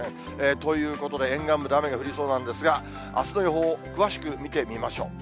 ということで、沿岸部で雨が降りそうなんですが、あすの予報を詳しく見てみましょう。